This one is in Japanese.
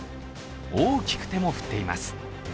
大きく手も振っています。